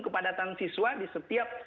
kepadatan siswa di setiap